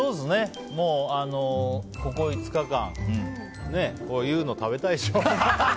もう、ここ５日間こういうの食べたいでしょ。